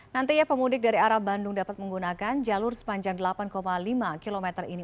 nantinya pemudik dari arah bandung dapat menggunakan jalur sepanjang delapan lima km ini